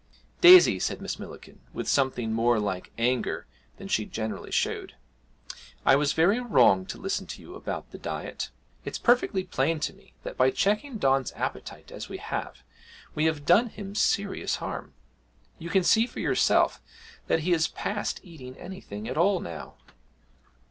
'Daisy,' said Miss Millikin, with something more like anger than she generally showed, 'I was very wrong to listen to you about the diet. It's perfectly plain to me that by checking Don's appetite as we have we have done him serious harm. You can see for yourself that he is past eating anything at all now.